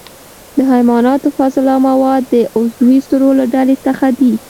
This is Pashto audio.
د حیواناتو فضله مواد د عضوي سرو له ډلې څخه دي.